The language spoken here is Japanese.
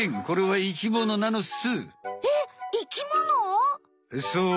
これは生きものなのっす！